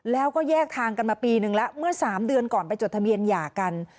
แล้วก็แยกทางกันมาปีนึงแล้วเมื่อ๓เดือนก่อนไปจดทะเบียนหย่ากัน